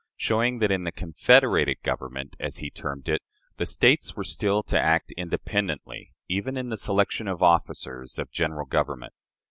showing that in the "confederated Government," as he termed it, the States were still to act independently, even in the selection of officers of the General Government.